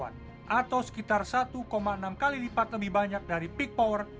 atau sekitar satu enam kali lipat lebih banyak dari peak power